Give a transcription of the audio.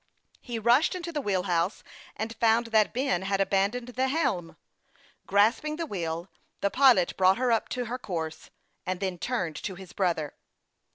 He rushed into the wheet house, and found that Ben had aban doned the helm. Grasping the wheel, the pilot brought her up to her course, and then turned to his brother.